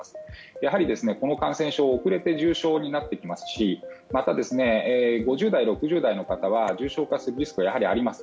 やはり、この感染症は遅れて重症になってきますし５０代６０代の方は重症化するリスクがやはりあります。